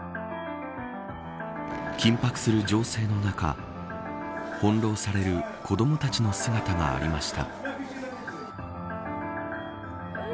緊迫する情勢の中翻弄される子どもたちの姿がありました。